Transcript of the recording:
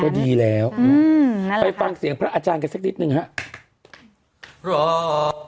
ก็ดีแล้วอืมไปฟังเสียงพระอาจารย์กันสักนิดหนึ่งฮะรอ